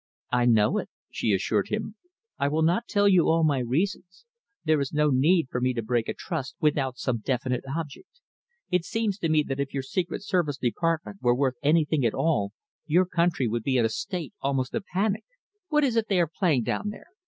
"I know it," she assured him. "I will not tell you all my reasons. There is no need for me to break a trust without some definite object. It seems to me that if your Secret Service Department were worth anything at all, your country would be in a state almost of panic. What is it they are playing down there?